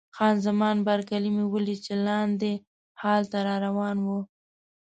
خان زمان بارکلي مې ولیده چې لاندې هال ته را روانه وه.